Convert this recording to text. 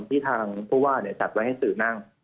ที่ทางผู้ว่าจัดไว้ให้สื่อนั่ง